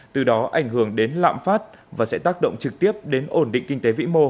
từ đó ảnh hưởng đến lạm phát và sẽ tác động trực tiếp đến ổn định kinh tế vĩ mô